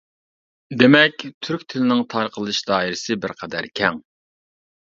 دېمەك، تۈرك تىلىنىڭ تارقىلىش دائىرىسى بىرقەدەر كەڭ.